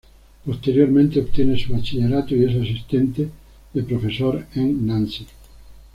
Posteriormente obtiene su Bachillerato, y es asistente de profesor en y en Nancy.